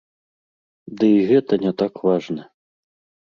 Ды і гэта не так важна!